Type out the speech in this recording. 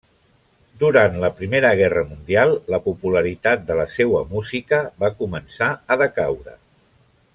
Durant la Primera Guerra Mundial la popularitat de la seua música va començar a decaure.